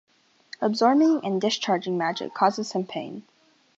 Absorbing and discharging magic causes him pain.